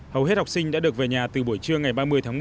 hầu hết học sinh đã được về nhà từ buổi trưa ngày ba mươi tháng một